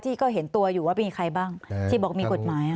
ที่ก็เห็นตัวอยู่ว่ามีใครบ้างที่บอกมีกฎหมาย